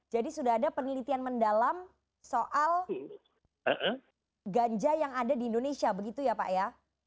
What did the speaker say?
jadi sudah ada penelitian mendalam soal ganja yang ada di indonesia begitu ya pak ya